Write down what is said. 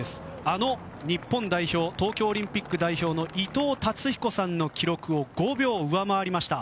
あの日本代表東京オリンピック代表の伊藤達彦さんの記録を５秒上回りました。